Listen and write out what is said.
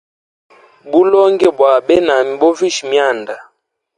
Buloge bwa benami, bovisha mianda.